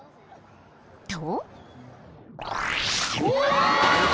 ［と］